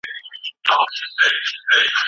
زه اوس د خپلې پاڼې ډیزاین بدلوم.